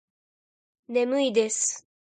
眠いです。